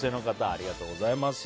ありがとうございます。